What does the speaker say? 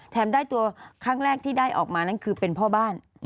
ได้ตัวครั้งแรกที่ได้ออกมานั่นคือเป็นพ่อบ้าน